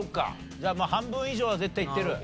じゃあ半分以上は絶対いってる。